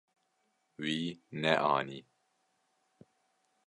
Wî neanî.